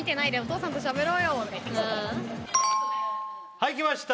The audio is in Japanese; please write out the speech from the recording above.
はいきました。